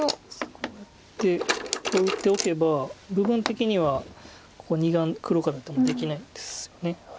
こうやってこう打っておけば部分的にはここ２眼黒から打ってもできないんですよね。